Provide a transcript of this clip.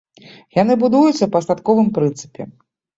Яны будуюцца па астаткавым прынцыпе.